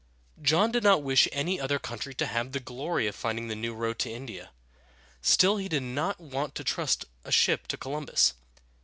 John did not wish any other country to have the glory of finding the new road to India; still, he did not want to trust a ship to Columbus.